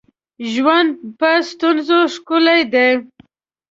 ژوند په ستونزو ښکلی دی